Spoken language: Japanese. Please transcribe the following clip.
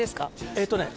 えっとね